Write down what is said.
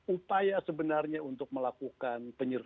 upaya sebenarnya untuk melakukan